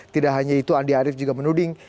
tidak hanya itu andi arief juga menuding